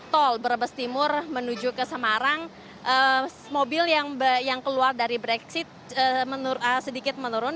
tol brebes timur menuju ke semarang mobil yang keluar dari brexit sedikit menurun